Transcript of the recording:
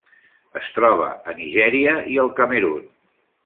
Es troba a Nigèria i el Camerun.